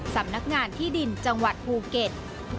สำนักงานที่ดินจังหวัดภูเก็ต